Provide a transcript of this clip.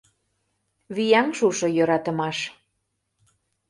«Вияҥ шушо йӧратымаш...»